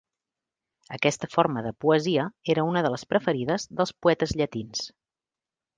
Aquesta forma de poesia era una de les preferides dels poetes llatins.